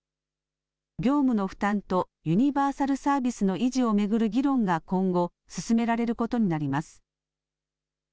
業務の負担とユニバーサルサービスの維持を巡る議論が今後、進められることになります。